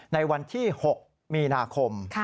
ในวันที่๖มีนาคม